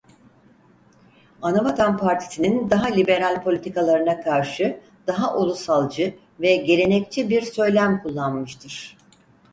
Anavatan Partisi'nin daha liberal politikalarına karşı daha ulusalcı ve gelenekçi bir söylem kullanmıştır.